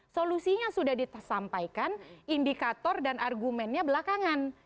solusinya sudah disampaikan indikator dan argumennya belakangan